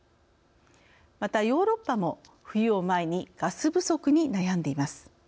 また、ヨーロッパも冬を前にガス不足に悩んでいます。